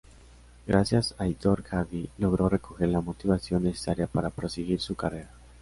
Gracias a Aitor Hardy logró recoger la motivación necesaria para proseguir su carrera.